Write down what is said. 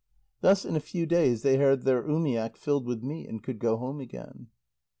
Thus in a few days they had their umiak filled with meat, and could go home again.